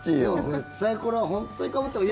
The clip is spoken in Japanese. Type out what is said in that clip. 絶対これは本当にかぶったほうが。